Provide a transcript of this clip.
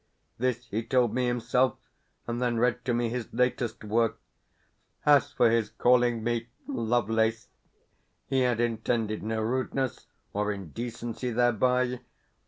This he told me himself, and then read to me his latest work. As for his calling me "Lovelace," he had intended no rudeness or indecency thereby.